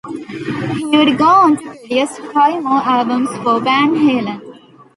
He would go on to produce five more albums for Van Halen.